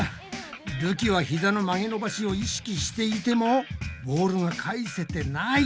るきはひざの曲げ伸ばしを意識していてもボールが返せてない！